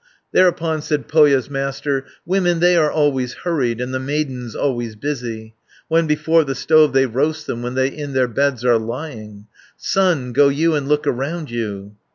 510 Thereupon said Pohja's Master: "Women they are always hurried, And the maidens always busy, When before the stove they roast them, When they in their beds are lying; Son, go you, and look around you."